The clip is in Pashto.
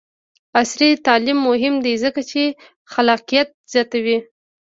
عصري تعلیم مهم دی ځکه چې خلاقیت زیاتوي.